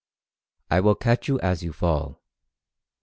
I will catch you as you fall.